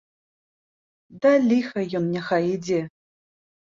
Да ліха ён няхай ідзе.